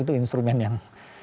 itu instrumen yang